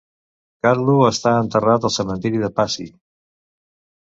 Carlu està enterrat al cementiri de Passy.